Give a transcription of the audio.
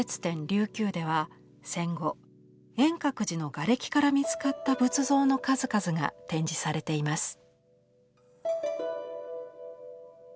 琉球では戦後円覚寺のがれきから見つかった仏像の数々が展示されています。